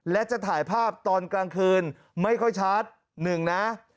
และจะถ่ายภาพตอนกลางคืนไม่ค่อยชัดหนึ่งนะ